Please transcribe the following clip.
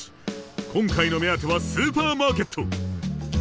今回の目当てはスーパーマーケット！